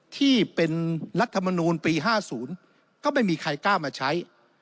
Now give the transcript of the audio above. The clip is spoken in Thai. ที่เป็นรัฐมนูลปี๕๐ก็ไม่มีใครกล้ามาใช้